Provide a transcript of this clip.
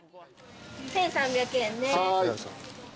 １，３００円です。